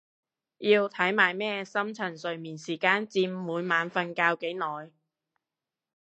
要睇埋咩深層睡眠時間佔每晚瞓覺幾耐？